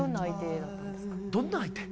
どんな相手？